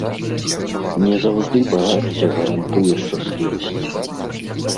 Не заўжды багацце гарантуе шчаслівасць.